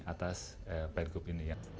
atas per group ini